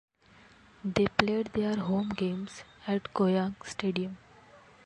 They played their home games at Goyang Stadium.